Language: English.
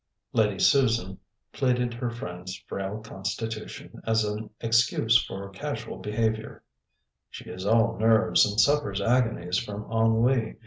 Lady Susan pleaded her friend's frail constitution as an excuse for casual behaviour. "She is all nerves, and suffers agonies from ennui.